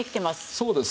そうです。